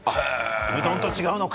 うどんと違うのか！